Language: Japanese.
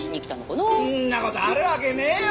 んな事あるわけねえよ